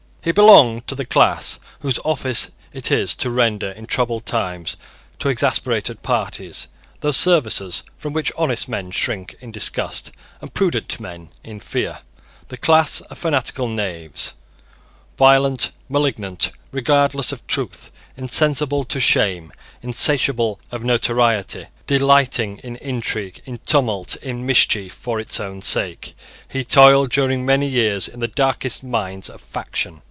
He belonged to the class whose office it is to render in troubled times to exasperated parties those services from which honest men shrink in disgust and prudent men in fear, the class of fanatical knaves. Violent, malignant, regardless of truth, insensible to shame, insatiable of notoriety, delighting in intrigue, in tumult, in mischief for its own sake, he toiled during many years in the darkest mines of faction.